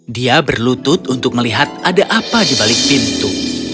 dia berlutut untuk melihat ada apa di balik pintu